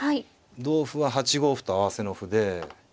同歩は８五歩と合わせの歩で。